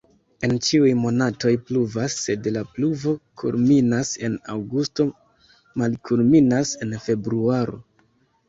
En ĉiuj monatoj pluvas, sed la pluvo kulminas en aŭgusto, malkulminas en februaro.